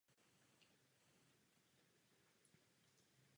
Mimo něj je opera v arabsky mluvícím světě především vysoce elitní záležitostí.